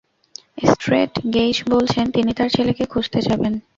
Straight গেইজ বলছেন, তিনি তার ছেলেকে খুঁজতে যাবেন।